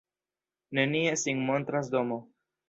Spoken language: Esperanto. Nenie sin montras domo.